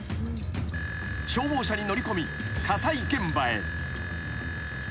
［消防車に乗り込み火災現場へ］